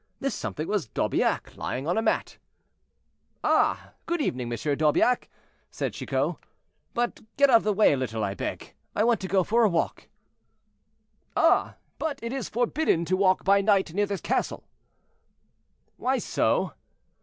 This something was D'Aubiac lying on a mat. "Ah! good evening, M. d'Aubiac," said Chicot, "but get out of the way a little, I beg; I want to go for a walk." "Ah! but it is forbidden to walk by night near this castle." "Why so?"